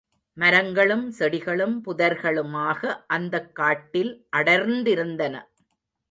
மரங்களும் செடிகளும் புதர்களுமாக அந்தக் காட்டில் அடர்ந்திருந்தன.